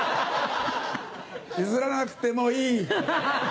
譲らなくてもいい。